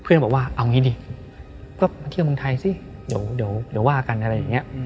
บอกว่าเอางี้ดิก็มาเที่ยวเมืองไทยสิเดี๋ยวว่ากันอะไรอย่างนี้